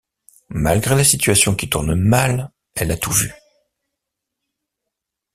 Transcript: Malgré la situation qui tourne mal, elle a tout vu.